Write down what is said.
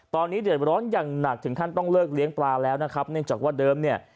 ตอนนี้เดือดร้อนอย่างหนักถึงขั้นต้องเลิกเลี้ยงปลาแล้วนะครับเนื่องจากว่าเดิมเนี่ย